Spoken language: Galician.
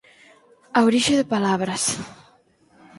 A orixe de palabras.